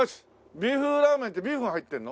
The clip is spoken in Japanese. ビーフラーメンってビーフが入ってるの？